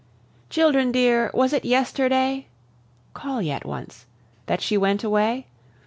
Children dear, was it yesterday (Call yet once) that she went away?